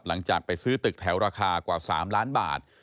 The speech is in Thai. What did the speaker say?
หลังจากไปซื้อตึกแถวราคากว่า๓ล้านบาท